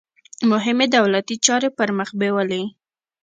مهمې دولتي چارې پرمخ بیولې.